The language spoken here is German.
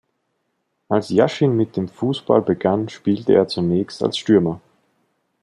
Als Jaschin mit dem Fußball begann, spielte er zunächst als Stürmer.